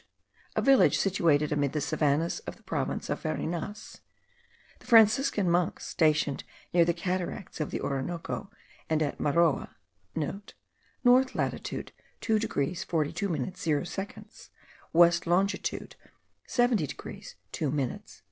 a village situated amid the savannahs of the province of Varinas; the Franciscan monks stationed near the cataracts of the Orinoco and at Maroa,* (* North latitude 2 degrees 42 minutes 0 seconds; west longitude 70 degrees 21 minutes.)